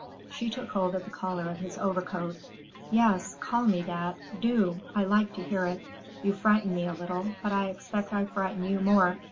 She took hold of the collar of his overcoat. "Yes, call me that. Do: I like to hear it. You frighten me a little, but I expect I frighten you more.